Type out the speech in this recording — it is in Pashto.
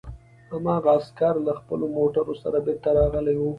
هماغه عسکر له خپلو موټرو سره بېرته راغلي وو